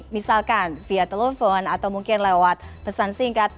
misalkan via telepon atau mungkin lewat pesan singkat